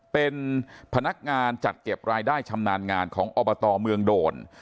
เป็นพนักงานจัดเก็บรายได้ชำนาญงานของอบตเมืองโดน